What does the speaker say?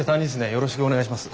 よろしくお願いします。